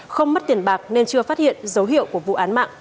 không mất tiền bạc nên chưa phát hiện